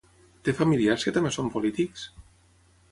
Té familiars que també són polítics?